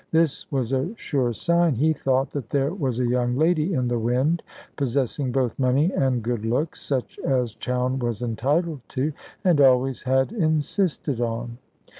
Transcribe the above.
This was a sure sign, he thought, that there was a young lady in the wind, possessing both money and good looks, such as Chowne was entitled to, and always had insisted on.